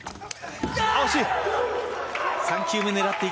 惜しい！